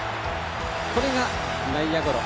これが内野ゴロ。